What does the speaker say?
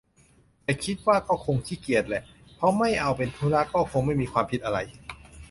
แต่คิดว่าก็คงขี้เกียจแหละ เพราะไม่เอาเป็นธุระก็คงไม่มีความผิดอะไร